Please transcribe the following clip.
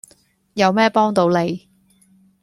有咩幫到你？